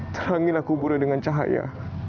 terangilah kuburnya dengan cahaya